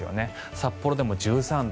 札幌でも１３度。